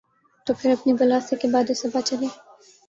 تو پھر اپنی بلا سے کہ باد صبا چلے۔